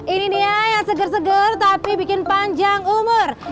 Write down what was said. ini dia yang seger seger tapi bikin panjang umur